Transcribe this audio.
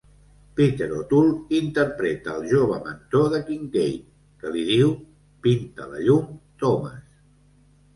Peter O'Toole interpreta el jove mentor de Kinkade, que li diu, Pinta la llum, Thomas!